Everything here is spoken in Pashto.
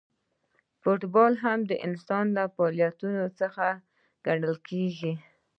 فوټبال هم د انسان له فعالیتونو څخه ګڼل کیږي.